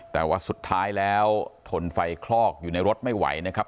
แต่ว่าสุดท้ายแล้วทนไฟคลอกอยู่ในรถไม่ไหวนะครับ